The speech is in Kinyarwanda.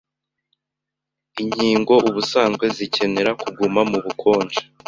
Inkingo ubusanzwe zikenera kuguma mu bukonje